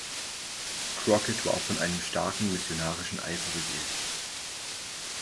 Crockett war von einem starken missionarischen Eifer beseelt.